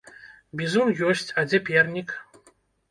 Бізун ёсць, а дзе пернік?